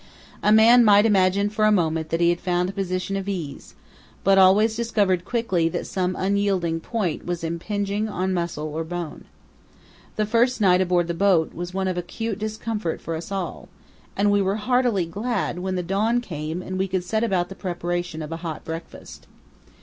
A man might imagine for a moment that he had found a position of ease, but always discovered quickly that some unyielding point was impinging on muscle or bone. The first night aboard the boat was one of acute discomfort for us all, and we were heartily glad when the dawn came and we could set about the preparation of a hot breakfast.